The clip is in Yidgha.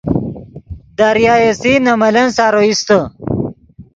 دریائے سندھ نے ملن سارو ایستے